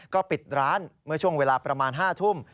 ก็ปิดร้านเมื่อช่วงเวลาประมาณ๕ทุ่ม